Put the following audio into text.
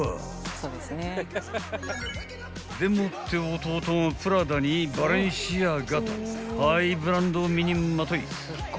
でもって弟もプラダにバレンシアガとハイブランドを身にまとい